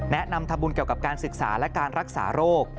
แนะนำทำบุญเกี่ยวกับการศึกษาและการรักษาโรค